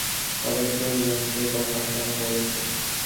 পরেশ কহিলেন, সে কথা কেন বলছ?